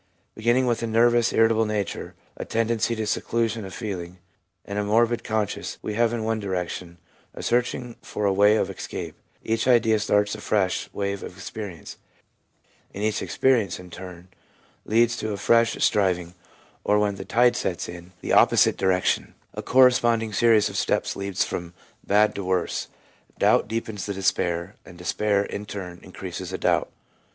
Beginning with a nervous, irritable nature, a tendency to seclusion of feeling, and a morbid conscience, we have, in one direction, a searching for a way of escape — each idea starts a fresh wave of experience, and each experience, in turn, leads on to a fresh striving ; or, when the tide sets in the THE ABNORMAL ASPECT OF CONVERSION 179 opposite direction, a corresponding series of steps leads from bad to worse — doubt deepens the despair, and despair, in turn, increases the doubt.